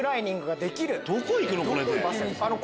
どこに行くの？